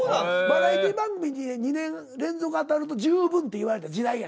バラエティー番組で２年連続当たると十分って言われた時代やねん。